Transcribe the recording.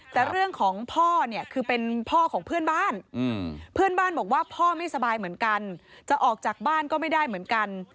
แต่เรื่องของพ่อเนี่ยคือเป็นพ่อของเพื่อนบ้านเพื่อนบ้านบอกว่าพ่อไม่สบายเหมือนกันจะออกจากบ้านก็ไม่ได้เหมือนกัน